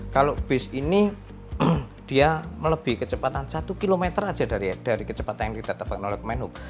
kalau bus ini dia melebih kecepatan satu km aja dari kecepatan yang kita tebak oleh command hub